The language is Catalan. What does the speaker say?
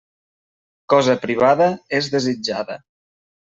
Cosa privada és desitjada.